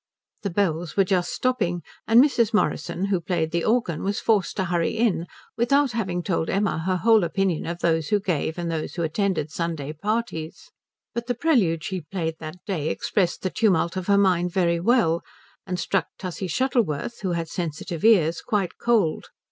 The bells were just stopping, and Mrs. Morrison, who played the organ, was forced to hurry in without having told Emma her whole opinion of those who gave and those who attended Sunday parties, but the prelude she played that day expressed the tumult of her mind very well, and struck Tussie Shuttleworth, who had sensitive ears, quite cold.